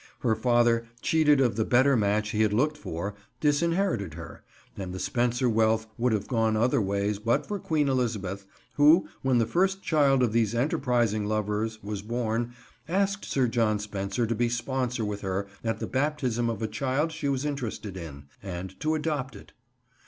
Her father, cheated of the better match he had looked for, disinherited her, and the Spencer wealth would have gone other ways but for Queen Elizabeth, who when the first child of these enterprising lovers was born asked Sir John Spencer to be sponsor with her at the baptism of a child she was interested in, and to adopt it.